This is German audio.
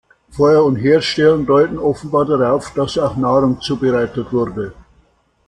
Feuer- und Herdstellen deuten offenbar darauf, dass auch Nahrung zubereitet wurde.